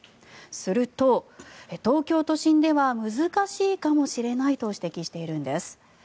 すると、東京都心では難しいかもしれないと指摘しているんです。